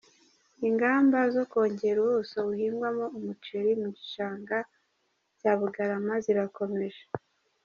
Ingamba zo kongera ubuso buhingwaho umuceli mu gishanga cya Bugarama zirakomeje